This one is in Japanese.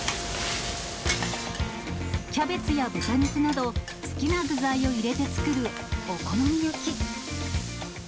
キャベツや豚肉など、好きな具材を入れて作るお好み焼き。